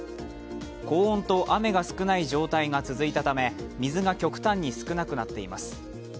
高温と雨が少ない状態が続いたため水が極端に少なくなっています。